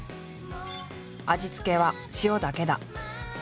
味付けは塩だけだ。